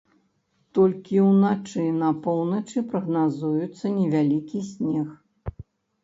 Толькі ўначы на поўначы прагназуецца невялікі снег.